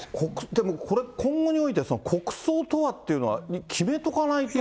でも今後において、国葬とはというのは決めとかないと。